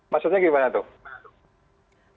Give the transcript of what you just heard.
maksudnya gimana tuh